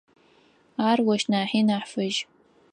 Ар ощ нахьи нахь фыжь.